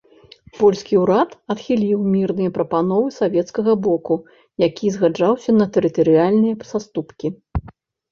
Польскі ўрад адхіліў мірныя прапановы савецкага боку, які згаджаўся на тэрытарыяльныя саступкі.